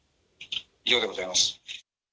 以上でございます。